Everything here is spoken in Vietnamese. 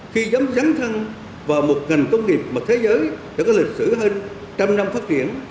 khi dám dắn thăng vào một ngành công nghiệp mà thế giới đã có lịch sử hơn trăm năm phát triển